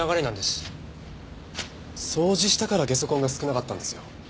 掃除したからゲソ痕が少なかったんですよ。